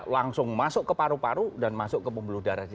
langsung masuk ke paru paru dan masuk ke pembuluh darah